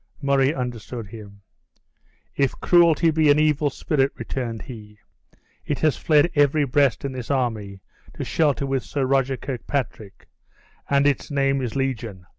Murray understood him: "If cruelty be an evil spirit," returned he, "it has fled every breast in this army to shelter with Sir Roger Kirkpatrick; and its name is Legion!